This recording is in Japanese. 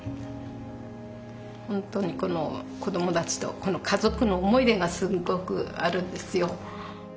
本当にこの子どもたちとこの家族の思い出がすんごくあるんですよ。